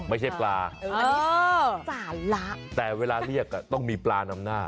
ไม่ใช่ปลาจานละแต่เวลาเรียกต้องมีปลานำหน้า